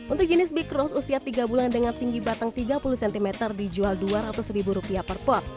untuk jenis bikross usia tiga bulan dengan tinggi batang tiga puluh cm dijual dua ratus ribu rupiah per pot